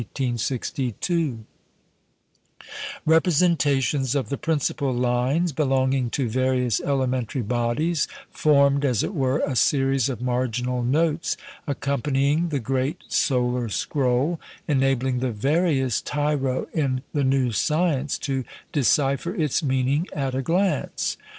Representations of the principal lines belonging to various elementary bodies formed, as it were, a series of marginal notes accompanying the great solar scroll, enabling the veriest tiro in the new science to decipher its meaning at a glance.